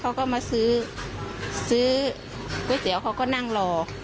เขาก็มาซื้อซื้อก๋วยเตี๋ยวเขาก็นั่งรอ